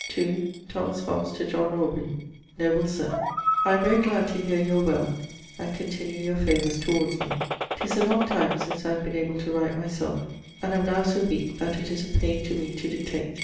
Thomas Hobbes to John Aubrey. Noble Sir, I am very glad to hear you are well and continue your favours towards me. 'Tis a long time since I have been able to write my selfe, and am now so weake that it is a paine to me to dictate.